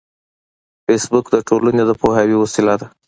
فېسبوک د ټولنې د پوهاوي وسیله ده